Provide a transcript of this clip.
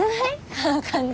あの感じ。